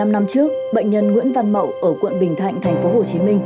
một mươi năm năm trước bệnh nhân nguyễn văn mậu ở quận bình thạnh tp hcm